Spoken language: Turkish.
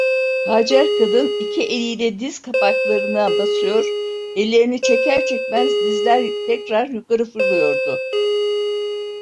Hacer kadın iki eliyle diz kapaklarına basıyor, ellerini çeker çekmez dizler tekrar yukarı fırlıyordu.